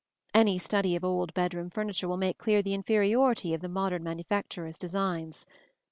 Any study of old bedroom furniture will make clear the inferiority of the modern manufacturer's designs.